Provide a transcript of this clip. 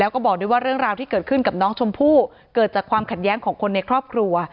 แล้วก็บอกด้วยว่าเรื่องราวที่เกิดขึ้นกับน้องชมพู่เกิดจากความขัดแย้งของคนในครอบครัว